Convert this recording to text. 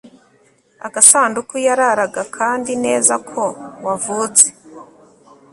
Agasanduku yararagakandi neza ko wavutse